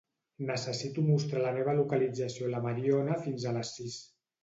Necessito mostrar la meva localització a la Mariona fins a les sis.